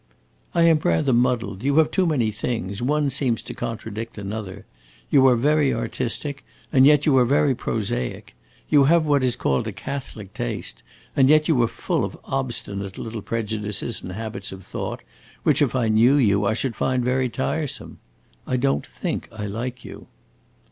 "I am rather muddled; you have too many things; one seems to contradict another. You are very artistic and yet you are very prosaic; you have what is called a 'catholic' taste and yet you are full of obstinate little prejudices and habits of thought, which, if I knew you, I should find very tiresome. I don't think I like you."